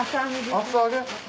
厚揚げ？